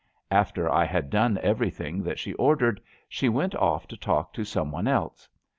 After I had done everything that she ordered she went off to talk to some one else.